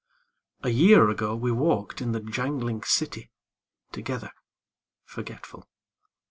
... A year ago we walked in the jangling city Together .... forgetful.